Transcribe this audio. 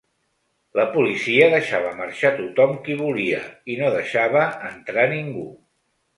La policia deixava marxar tothom qui volia i no deixava entrar ningú.